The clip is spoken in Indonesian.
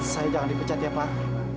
saya jangan dipecat ya pak